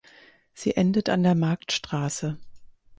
Sie endet an der Marktstraße.